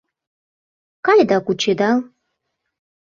Кай да кучедал!